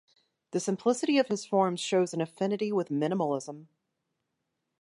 The simplicity of his forms shows an affinity with minimalism.